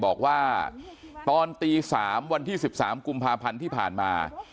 บอกว่าตอนตี๓วันที่๑๓กุมภาพันธ์ที่ผ่านมา